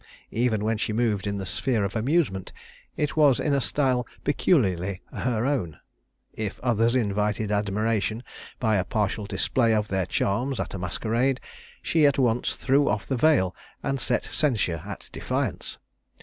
Even when she moved in the sphere of amusement, it was in a style peculiarly her own. If others invited admiration by a partial display of their charms at a masquerade, she at once threw off the veil, and set censure at defiance.